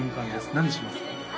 何しますか？